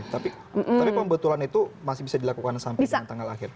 tapi pembetulan itu masih bisa dilakukan sampai dengan tanggal akhir